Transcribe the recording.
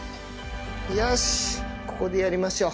よしここでやりましょう。